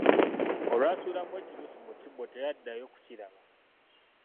Olwasuulamu ekinusu mu kibbo teyaddayo kukiraba.